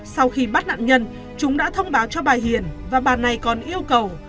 sau khi bắt nạn nhân chúng đã thông báo cho bà hiền và bà này còn yêu cầu